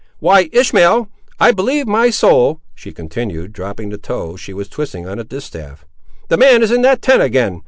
Why, Ishmael! I believe my soul," she continued, dropping the tow she was twisting on a distaff, "the man is in that tent ag'in!